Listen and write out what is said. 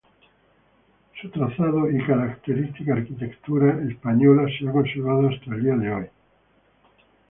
Su trazado y característica arquitectura española se ha conservado hasta el día de hoy.